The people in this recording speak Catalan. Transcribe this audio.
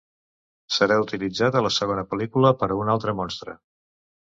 Serà utilitzat a la segona pel·lícula per a un altre monstre.